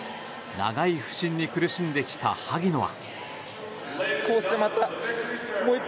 長い不振に苦しんできた萩野は。